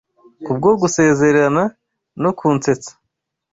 Kubwo gusezerana no kunsetsa